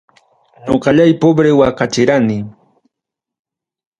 Ñoqallay pobre waqachirani.